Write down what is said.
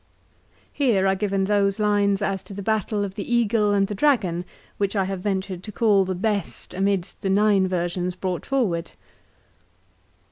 Here are given those lines as to the battle of the eagle and the dragon which I have ventured to call the best amidst the nine versions brought forward.